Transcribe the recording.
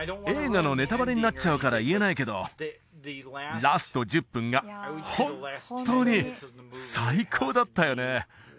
映画のネタバレになっちゃうから言えないけどラスト１０分が本当に最高だったよね